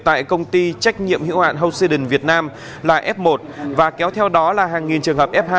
tại công ty trách nhiệm hữu hạn hồ sư đình việt nam là f một và kéo theo đó là hàng nghìn trường hợp f hai